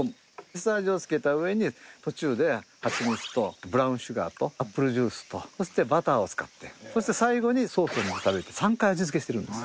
下味を付けた上に途中でハチミツとブラウンシュガーとアップルジュースとそしてバターを使ってそして最後にソースを塗って３回味付けしてるんです。